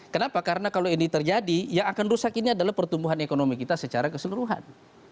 kenapa karena kalau ini terjadi yang akan rusak ini adalah pertumbuhan ekonomi kita secara keseluruhan